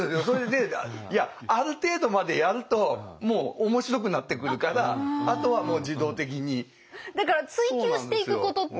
それでいやある程度までやると面白くなってくるからあとはもう自動的に。